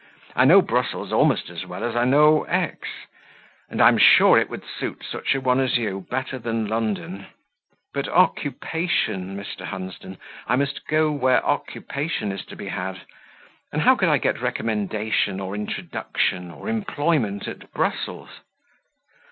I know Brussels almost as well as I know X , and I am sure it would suit such a one as you better than London." "But occupation, Mr. Hunsden! I must go where occupation is to be had; and how could I get recommendation, or introduction, or employment at Brussels?"